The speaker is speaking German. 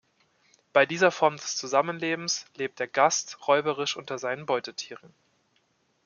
Bei dieser Form des Zusammenlebens lebt der „Gast“ räuberisch unter seinen Beutetieren.